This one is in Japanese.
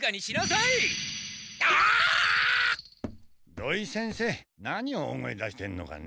土井先生何大声出してんのかね